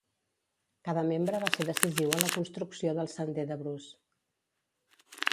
Cada membre va ser decisiu en la construcció del Sender de Bruce.